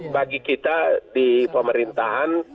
bagi kita di pemerintahan